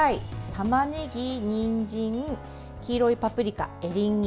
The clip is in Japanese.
たまねぎ、にんじん黄色いパプリカ、エリンギ。